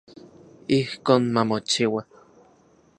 Ijkon mamochiua.